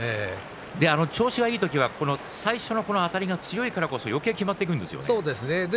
調子がいい時は最初のあたりが強いからこそよけいにきまっていくんですよね。